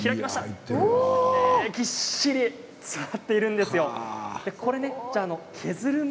ぎっしり詰まっているんですよ。